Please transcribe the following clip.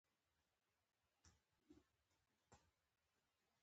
مړه ته د الله ج لور غواړو